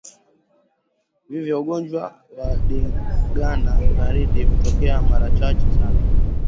Vifo kwa ugonjwa wa ndigana baridi hutokea mara chache sana